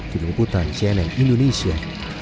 kini menguputkan cnn indonesia